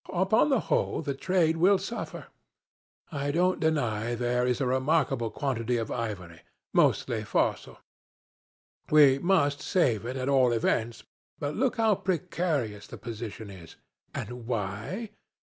Upon the whole, the trade will suffer. I don't deny there is a remarkable quantity of ivory mostly fossil. We must save it, at all events but look how precarious the position is and why?